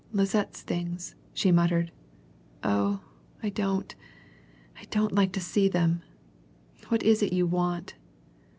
"Lisette's things!" she muttered. "Oh I don't don't like to see them! What is it you want?"